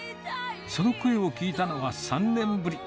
その声を聞いたのは３年ぶり。